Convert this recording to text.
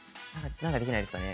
何かできないですかね。